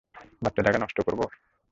বাচ্চাটাকে নষ্ট করব?